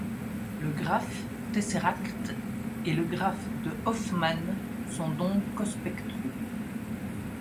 Le graphe tesseract et le graphe de Hoffman sont donc cospectraux.